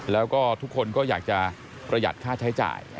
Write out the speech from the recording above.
แล้วก็ทุกคนก็อยากจะประหยัดค่าใช้จ่าย